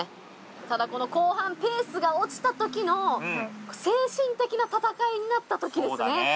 ただこの後半ペースが落ちたときの精神的な戦いになったときですね。